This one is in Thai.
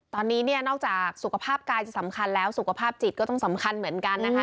ตอนนี้เนี่ยนอกจากสุขภาพกายจะสำคัญแล้วสุขภาพจิตก็ต้องสำคัญเหมือนกันนะคะ